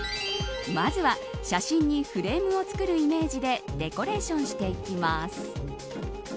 まずは、写真にフレームを作るイメージでデコレーションしていきます。